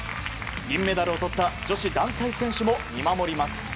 銀メダルをとった女子団体選手も見守ります。